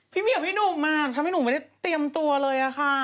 ไม่มีกับพี่หนุ่มมากทำให้หนูไม่ได้เตรียมตัวเลยอะค่ะ